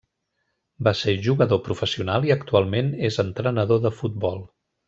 Va ser jugador professional i actualment és entrenador de futbol.